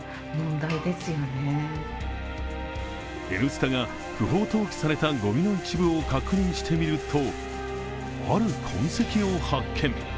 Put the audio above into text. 「Ｎスタ」が不法投棄されたごみの一部を確認してみるとある痕跡を発見。